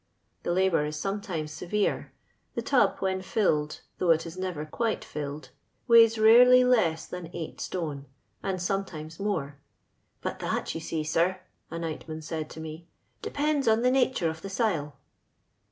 The labour is sometimes severe. The tub when filled, though it is never quite flUed, weighs rarely less than eight stone, and sometimes more; "but that, you se^, sir," a nightman said to me, •* depends on the nature of the sile."